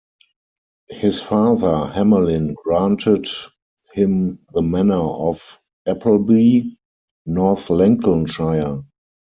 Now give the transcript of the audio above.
His father Hamelin granted him the manor of Appleby, North Lincolnshire.